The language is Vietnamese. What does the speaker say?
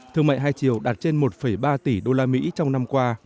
thương mại hai chiều đạt trên một ba tỷ usd trong năm qua